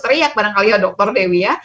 teriak barangkali ya dokter dewi ya